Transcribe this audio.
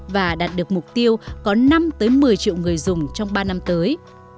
và đạt được mục tiêu có năm một mươi triệu người dùng trong ba năm tới